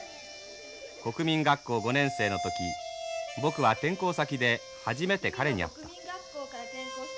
国民学校５年生の時僕は転校先で初めて彼に会った。